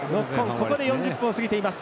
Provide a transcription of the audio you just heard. ここで４０分を過ぎています。